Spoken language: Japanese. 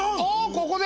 ここで？